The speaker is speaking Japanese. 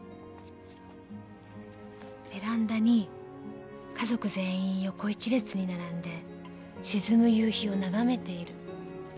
ベランダに家族全員横一列に並んで沈む夕日を眺めている。